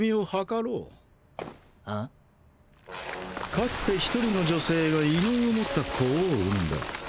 かつて１人の女性が異能を持った子を産んだ。